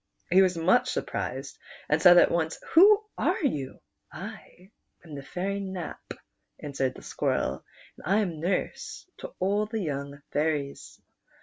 He was much surprised, and said at once, " Who are you }"" I am the Fairy Nap," answered the Squirrel; "and I am nurse to all the young fairies.